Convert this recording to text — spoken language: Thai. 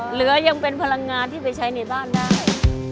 เหลือยังเป็นพลังงานที่ไปใช้ในบ้านได้